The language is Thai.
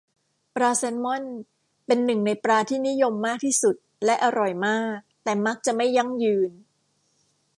ปลาแซลมอนเป็นหนึ่งในปลาที่นิยมมากที่สุดและอร่อยมาก แต่มักจะไม่ยั่งยืน